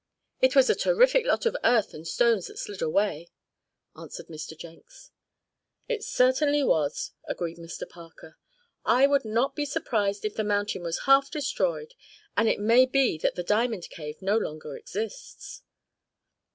It was a terrific lot of earth and stones that slid away," answered Mr. Jenks. "It certainly was," agreed Mr. Parker. "I would not be surprised if the mountain was half destroyed, and it may be that the diamond cave no longer exists."